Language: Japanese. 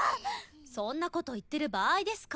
そんな事言ってる場合ですか？